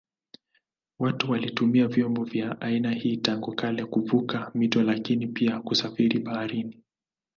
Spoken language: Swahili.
Watu walitumia vyombo vya aina hii tangu kale kuvuka mito lakini pia kusafiri baharini.